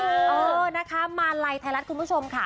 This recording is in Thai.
เออนะคะมาลัยไทยรัฐคุณผู้ชมค่ะ